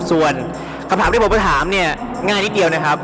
ส่วนคำถามที่ผมจะถามเนี่ยง่ายนิดเดียวนะครับ